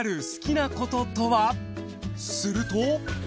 すると。